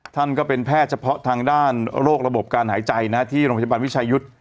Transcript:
ท่านก็เป็นแพทย์เฉพาะทางด้านโรคระบบการหายใจนะที่โรงพยาบาลวิชายุทธ์